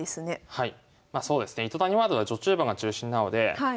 はい。